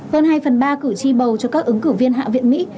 hơn hai phần ba cử tri bầu cho các ứng cử viên hạ viện mỹ